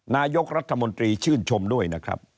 นายกรัฐมนตรีชื่นชมด้วยนะครับ